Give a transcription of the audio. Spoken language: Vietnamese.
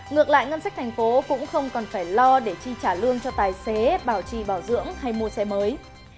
ngược lại ngân sách thành phố cũng không còn phải lo để chi trả lương cho tài xế bảo trì bảo dưỡng hay mua xe mới